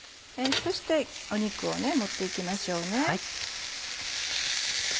そして肉を盛って行きましょうね。